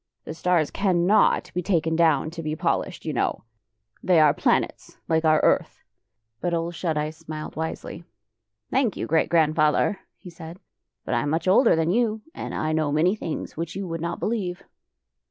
The stars cannot be taken down to be polished, you know ! They are planets, like our earth! " But Ole Shut Eyes smiled wisely. " Thank you, Great Grandfather," he said, " but I am much older than you, and I know many things which you would not believe.